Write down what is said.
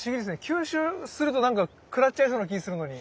吸収するとくらっちゃいそうな気するのに。